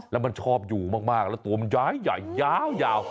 แล้วมันชอบอยู่มากแล้วตัวมันย้ายใหญ่ยาว